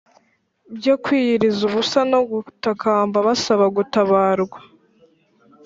byo kwiyiriza ubusa no gutakamba basaba gutabarwa